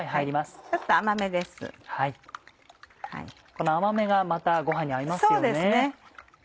この甘めがまたご飯に合いますよね。